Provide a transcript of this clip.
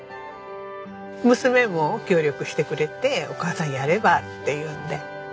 娘も協力してくれて「お母さんやれば」って言うので。